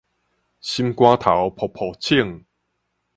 心肝頭噗噗衝